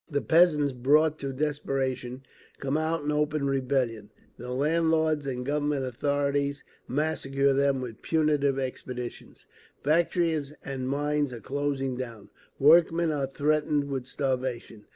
The peasants brought to desperation come out in open rebellion; the landlords and Government authorities massacre them with punitive expeditions; factories and mines are closing down, workmen are threatened with starvation….